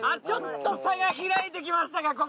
ちょっと差が開いてきましたか